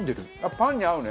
パンに合うね。